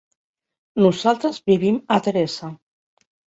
Nosaltres vivim a Teresa.